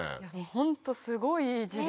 ホントすごいいい授業。